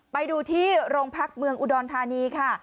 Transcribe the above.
ไปดูที่โรงพักเมืองอุดรธานีค่ะ